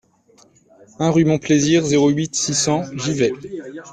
un rue Mon Plaisir, zéro huit, six cents, Givet